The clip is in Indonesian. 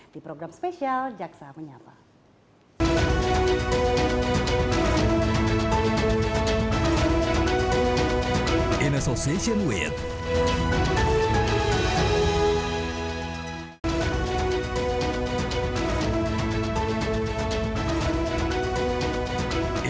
di program spesial jaksa menyapa